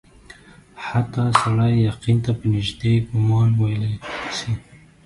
حتی سړی یقین ته په نیژدې ګومان ویلای سي.